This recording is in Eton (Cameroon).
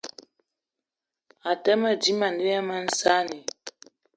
Àtə́ mâ dímâ ne bí mag saanì